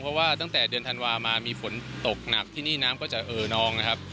เพราะว่าตั้งแต่เดือนธันวามามีฝนตกหนักที่นี่น้ำก็จะเออนองนะครับ